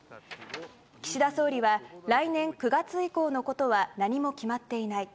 岸田総理は来年９月以降のことは何も決まっていない。